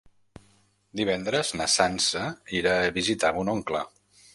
Divendres na Sança irà a visitar mon oncle.